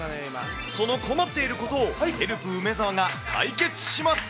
その困っていることをヘルプ梅澤が解決します。